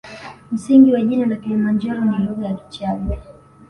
Msingi wa jina la kilimanjaro ni lugha ya kichagga